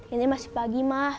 ini masih pagi ma